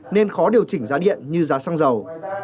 nên khó điều chỉnh giá điện như giá xăng dầu